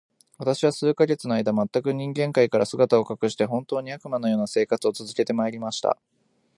私は数ヶ月の間、全く人間界から姿を隠して、本当に、悪魔の様な生活を続けて参りました。